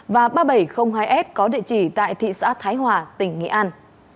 và ba nghìn bảy trăm linh hai s có địa chỉ tại thị xã thái hòa tỉnh nghệ an